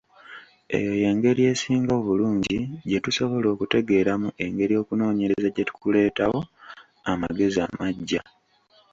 Eyo y'engeri esinga obulungi gye tusobola okutegeeramu engeri okunoonyereza gye kuleetawo amagezi amaggya.